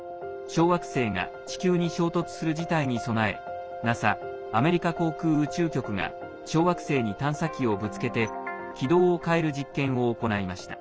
小惑星が地球に衝突する事態に備えＮＡＳＡ＝アメリカ航空宇宙局が小惑星に探査機をぶつけて軌道を変える実験を行いました。